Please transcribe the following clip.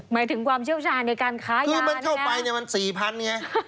หมายถึงความเชี่ยวชาญในการขายาเนี่ยคือมันเข้าไปมัน๔๐๐๐ไง